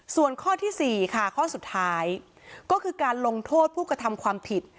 ส่วนข้อที่๔ค่ะข้อสุดท้ายก็คือการลงโทษผู้กระทำความผิด